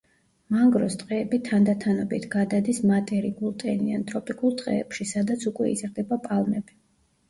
მანგროს ტყეები თანდათანობით გადადის მატერიკულ ტენიან ტროპიკულ ტყეებში, სადაც უკვე იზრდება პალმები.